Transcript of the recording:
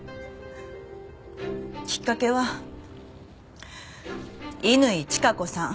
きっかけは乾チカ子さん。